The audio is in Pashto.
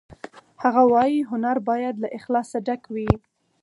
هغه وایی هنر باید له اخلاصه ډک وي